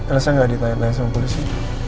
elsa gak ditanya tanya sama polisi